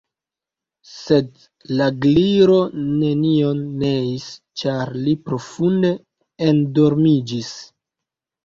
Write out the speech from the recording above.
Sed la Gliro nenion neis, ĉar li profunde endormiĝis.